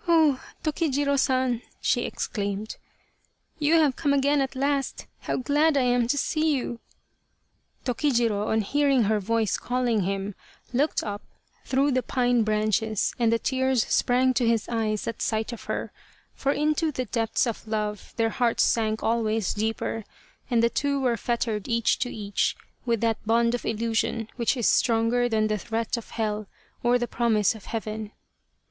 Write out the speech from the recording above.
" Oh ! Tokijiro San," she exclaimed, " you have come again at last, how glad I am to see you !" Tokijiro, on hearing her voice calling him, looked up through the pine branches and the tears sprang to his eyes at sight of her, for into the depths of love their hearts sank always deeper and the two were fettered each to each with that bond of illusion which is stronger than the threat of hell or the promise of heaven.